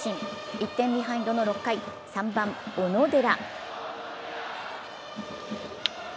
１点ビハインドの６回、３番・小野寺。